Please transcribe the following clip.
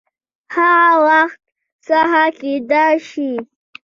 هغه وخت هڅه کېده چې